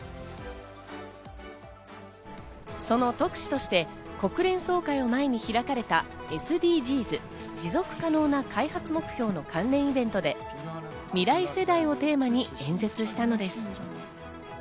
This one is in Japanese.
その特使として国連総会を前に開かれたＳＤＧｓ持続可能な開発目標の関連イベントで未来世代をテーマに演説したのです。